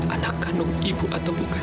anak kandung ibu atau bukan